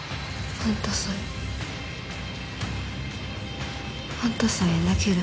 あんたさえいなければ。